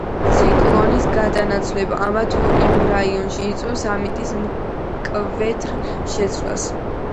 ციკლონის გადანაცვლება ამა თუ იმ რაიონში იწვევს ამინდის მკვეთრ შეცვლას.